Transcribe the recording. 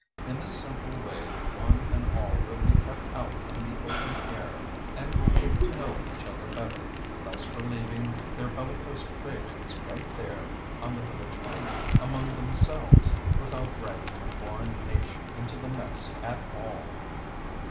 In this simple way, one and all will be kept out in the open air and will get to know each other better, thus relieving their bellicose cravings right there on the village green among themselves, without dragging a foreign nation into the mess at all.